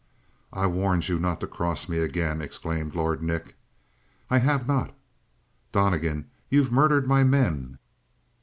"I warned you not to cross me again." exclaimed Lord Nick. "I have not." "Donnegan, you've murdered my men!"